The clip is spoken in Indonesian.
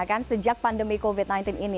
kan sejak pandemi covid sembilan belas ini